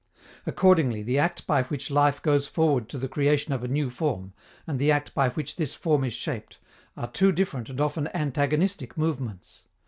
Accordingly, the act by which life goes forward to the creation of a new form, and the act by which this form is shaped, are two different and often antagonistic movements.